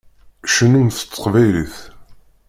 Tcennumt s teqbaylit.